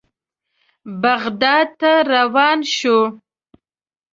بغداد ته روان شوو.